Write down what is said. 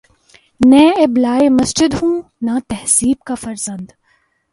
نے ابلۂ مسجد ہوں نہ تہذیب کا فرزند